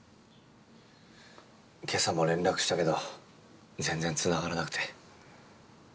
今朝も連絡したけど全然つながらなくて。